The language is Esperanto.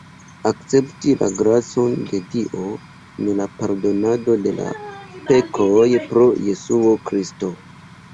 Akcepti la gracon de Dio en la pardonado de la pekoj pro Jesuo Kristo.